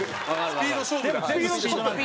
スピード勝負。